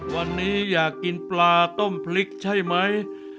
วันนี้อยากกินปลาต้มพริกใช่ไหม